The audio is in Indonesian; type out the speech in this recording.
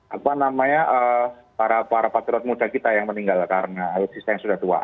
apa namanya para patriot muda kita yang meninggal karena alutsista yang sudah tua